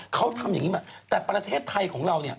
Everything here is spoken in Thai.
เขาทำอย่างนี้มาแต่ประเทศไทยของเราเนี่ย